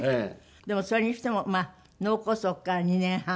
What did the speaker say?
でもそれにしても脳梗塞から２年半。